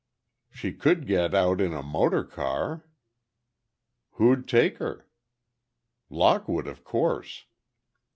"She could get out in a motor car." "Who'd take her?" "Lockwood, of course."